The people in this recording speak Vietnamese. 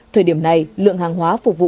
thời điểm này lượng hàng hóa phục vụ